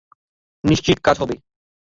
নিশ্চিত কাজ হবে।